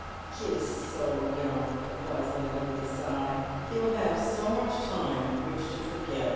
'• He is so young," replies Linda, with a sigh. " He will have to much time in which to forget."